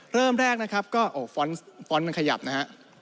เริ่มแรกขยับนะฮะ